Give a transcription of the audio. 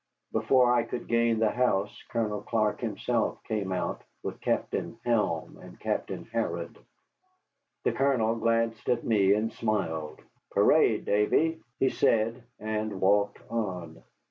Before I could gain the house, Colonel Clark himself came out with Captain Helm and Captain Harrod. The Colonel glanced at me and smiled. "Parade, Davy," he said, and walked on.